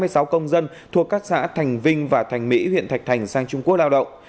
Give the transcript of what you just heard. hai mươi sáu công dân thuộc các xã thành vinh và thành mỹ huyện thạch thành sang trung quốc lao động